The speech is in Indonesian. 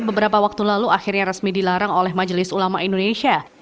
beberapa waktu lalu akhirnya resmi dilarang oleh majelis ulama indonesia